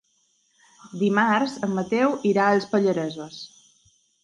Dimarts en Mateu irà als Pallaresos.